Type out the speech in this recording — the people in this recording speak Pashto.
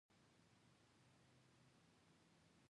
زه لیک ته نېټه لیکم.